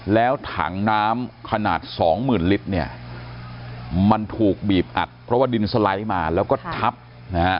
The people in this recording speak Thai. แล้วถังน้ำขนาดสองหมื่นลิตรเนี่ยมันถูกบีบอัดเพราะว่าดินสไลด์มาแล้วก็ทับนะฮะ